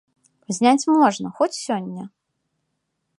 Зняць можна, хоць сёння.